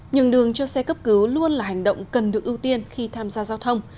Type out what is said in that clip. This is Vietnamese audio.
nhường đường cho xe cấp cứu luôn là hành động cần được ưu tiên khi tham gia giao thông